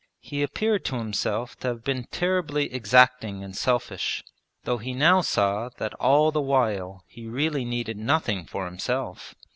He appeared to himself to have been terribly exacting and selfish, though he now saw that all the while he really needed nothing for himself.